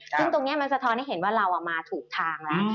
ซึ่งตรงนี้มันสะท้อนให้เห็นว่าเรามาถูกทางแล้ว